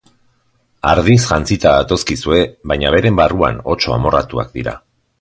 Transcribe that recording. Ardiz jantzita datozkizue, baina beren barruan otso amorratuak dira.